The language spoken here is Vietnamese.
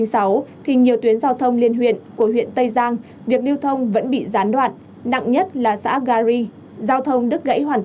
ngoài tuyến dt sáu trăm linh sáu thì nhiều tuyến giao thông liên huyện của huyện tây giang